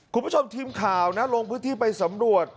คุณผู้ชมทีมข่าวนะลงพื้นที่ไปสำรวจ